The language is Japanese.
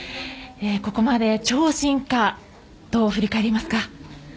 ここまで超進化どう振り返りますか？